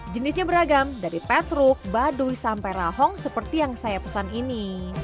jenisnya beragam dari petruk baduy sampai rahong seperti yang saya pesan ini